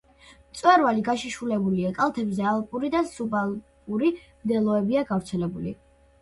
მწვერვალი გაშიშვლებულია, კალთებზე ალპური და სუბალპური მდელოებია გავრცელებული.